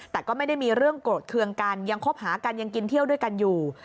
แต่ก็ไม่ได้มีเรื่องโกรธเคืองกันยังคบหากันยังกินเที่ยวด้วยกันอยู่